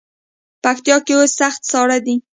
پکتیا کې اوس سخت ساړه دی.